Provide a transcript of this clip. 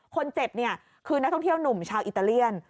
คนเจ็บเนี่ยคือนักท่องเที่ยวหนุ่มชาวอิตาเลียน